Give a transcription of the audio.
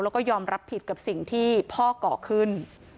แล้วก็ยอมรับผิดกับสิ่งที่พ่อก่อขึ้น